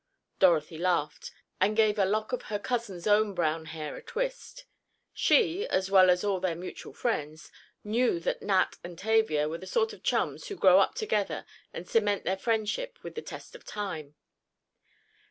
Dorothy laughed, and gave a lock of her cousin's own brown hair a twist. She, as well as all their mutual friends, knew that Nat and Tavia were the sort of chums who grow up together and cement their friendship with the test of time.